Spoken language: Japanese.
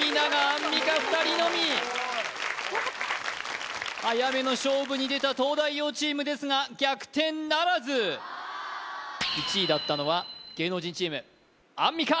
アンミカ２人のみ早めの勝負に出た東大王チームですが逆転ならず１位だったのは芸能人チームアンミカ！